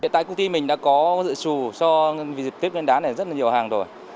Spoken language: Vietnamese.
tại công ty mình đã có dự trù so với dịch tiếp lên đá này rất là nhiều hàng rồi